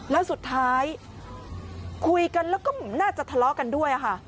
แล้วสุดท้ายคุยกันแล้วก็น่าจะทะเลาะกันด้วยค่ะ